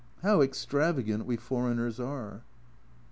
How extravagant we foreigners are